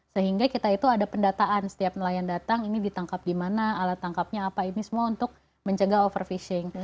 sehingga kita itu ada pendataan setiap nelayan datang ini ditangkap di mana alat tangkapnya apa ini semua untuk mencegah overfishing